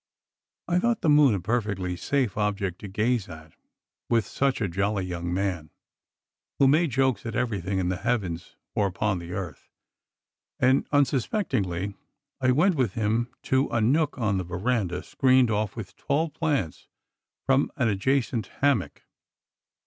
I thought the moon a perfectly safe object to gaze at with such a jolly young man, who made jokes at everything in the heavens or upon the earth; and unsuspectingly I went with him to a nook on the veranda screened off with tall plants from an adjacent hammock.